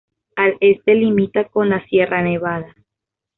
Al este limita con la sierra Nevada.